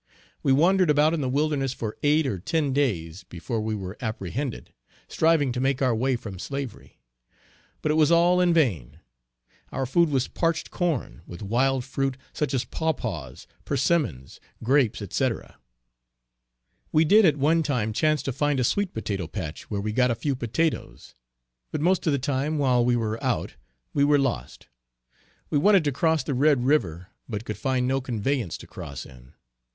We wandered about in the wilderness for eight or ten days before we were apprehended, striving to make our way from slavery; but it was all in vain. Our food was parched corn, with wild fruit such as pawpaws, percimmons, grapes, &c. We did at one time chance to find a sweet potato patch where we got a few potatoes; but most of the time, while we were out, we were lost. We wanted to cross the Red river but could find no conveyance to cross in.